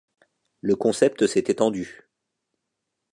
Le concept s'est étendu.